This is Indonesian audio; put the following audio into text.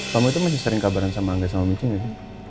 kamu itu masih sering kabaran sama angga sama michain gak sih